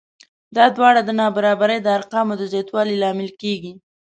دا دواړه د نابرابرۍ د ارقامو د زیاتوالي لامل کېږي